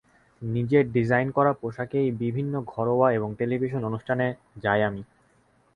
নিজের ডিজাইন করা পোশাকেই বিভিন্ন ঘরোয়া এবং টেলিভিশনের অনুষ্ঠানে যাই আমি।